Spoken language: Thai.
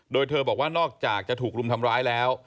โดยเธอบอกว่านอกจากจะถูกรุมทำร้ายแล้ว